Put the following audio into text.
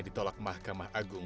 ditolak mahkamah agung